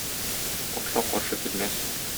Патша каршы килмәс.